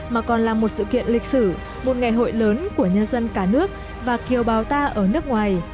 mà còn là một sự kiện lịch sử một ngày hội lớn của nhân dân cả nước và kiều bào ta ở nước ngoài